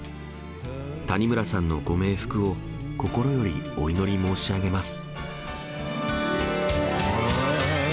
谷村さんのご冥福を心よりお祈り申し上げます。